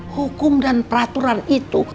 hukum dan peraturan itu